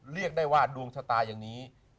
เรียกได้ว่าดวงชะตาอย่างนี้